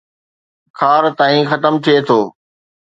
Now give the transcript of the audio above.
خار تائين ختم ٿئي ٿو